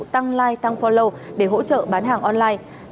tăng like tăng foru để hỗ trợ bán hàng online